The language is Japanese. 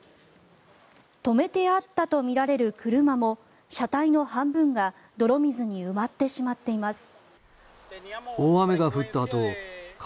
止めてあったとみられる車も車体の半分が泥水に埋まってしまっています。